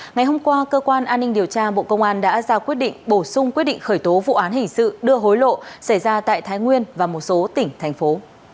ngày hôm qua cơ quan an ninh điều tra bộ công an đã ra quyết định bổ sung quyết định khởi tố vụ án hình sự đưa hối lộ xảy ra tại thái nguyên và một số tỉnh thành phố